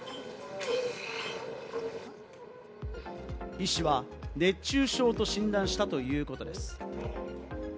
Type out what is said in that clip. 医師は熱中症と診断したということです。